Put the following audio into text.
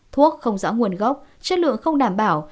thuốc không rõ nguồn gốc chất lượng không đảm bảo